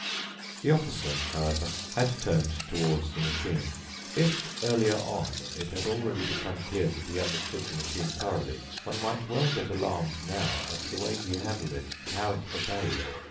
The Officer, however, had turned towards the machine. If earlier on it had already become clear that he understood the machine thoroughly, one might well get alarmed now at the way he handled it and how it obeyed.